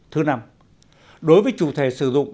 thứ năm đối với chủ thể sử dụng